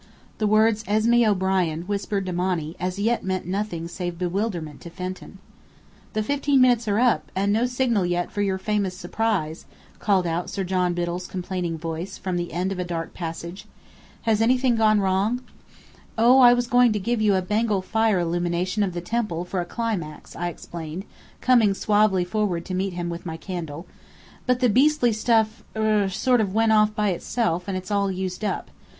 The words "Esmé O'Brien" whispered to Monny, as yet meant nothing save bewilderment to Fenton. "The fifteen minutes are up, and no signal yet for your famous surprise," called out Sir John Biddell's complaining voice, from the end of a dark passage. "Has anything gone wrong?" "Oh, I was going to give you a Bengal fire illumination of the temple, for a climax," I explained, coming suavely forward to meet him with my candle. "But the beastly stuff er sort of went off by itself, and it's all used up.